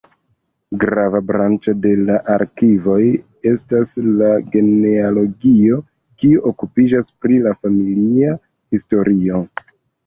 Grava branĉo de la arkivoj estas la genealogio, kiu okupiĝas pri la familia historio.